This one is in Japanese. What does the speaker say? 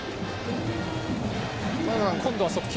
今度は速球。